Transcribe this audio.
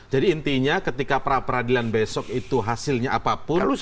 jadi intinya ketika peradilan besok itu hasilnya apapun